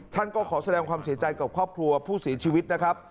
ท่านก็ขอแสดงความเสียใจกับครอบครัวผู้เสียชีวิตนะครับ